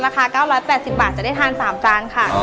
๙๘๐บาทจะได้ทาน๓จานค่ะ